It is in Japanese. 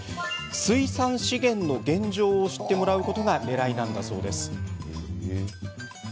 水産資源の現状を知ってもらうことがねらいなんだそうです。